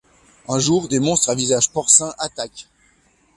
Un jour des monstres à visage porcin attaquent.